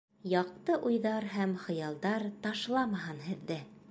Яҡты уйҙар һәм хыялдар ташламаһын һеҙҙе!